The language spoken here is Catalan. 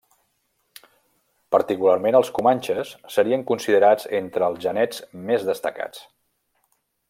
Particularment els comanxes serien considerats entre els genets més destacats.